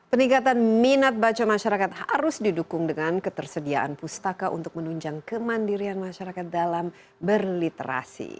peningkatan minat baca masyarakat harus didukung dengan ketersediaan pustaka untuk menunjang kemandirian masyarakat dalam berliterasi